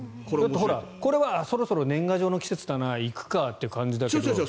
これはそろそろ年賀状の季節だな行くかという感じだけど。